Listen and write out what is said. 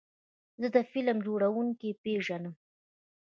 زه د فلم جوړونکي پیژنم.